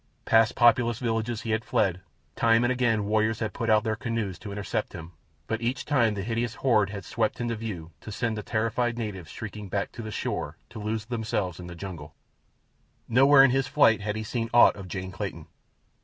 Past populous villages he had fled. Time and again warriors had put out in their canoes to intercept him, but each time the hideous horde had swept into view to send the terrified natives shrieking back to the shore to lose themselves in the jungle. Nowhere in his flight had he seen aught of Jane Clayton.